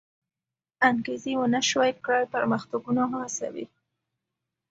انګېزې و نه شوی کړای پرمختګونه وهڅوي.